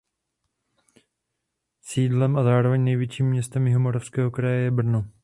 Sídlem a zároveň největším městem Jihomoravského kraje je Brno.